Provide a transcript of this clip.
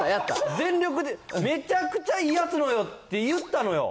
全力で、めちゃくちゃいいやつっていったのよ。